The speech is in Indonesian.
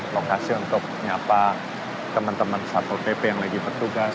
lokasi untuk teman teman satu pp yang lagi bertugas